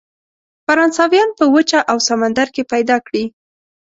فرانسویان په وچه او سمندر کې پیدا کړي.